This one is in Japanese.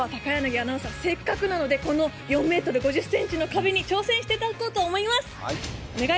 せっかくなので、この４ｍ５０ｃｍの壁に挑戦していただこうと思います。